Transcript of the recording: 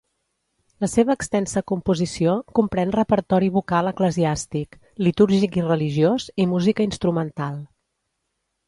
La seva extensa composició comprèn repertori vocal eclesiàstic, litúrgic i religiós, i música instrumental.